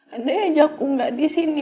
andai aja aku gak disini